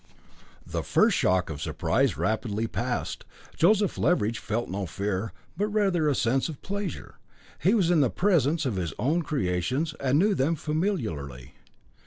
The first shock of surprise rapidly passed. Joseph Leveridge felt no fear, but rather a sense of pleasure. He was in the presence of his own creations, and knew them familiarly.